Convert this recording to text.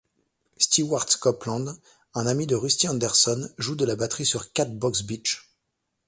Stewart Copeland, un ami de Rusty Anderson, joue de la batterie sur Catbox Beach.